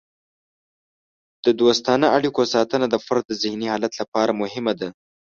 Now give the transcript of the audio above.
د دوستانه اړیکو ساتنه د فرد د ذهني حالت لپاره مهمه ده.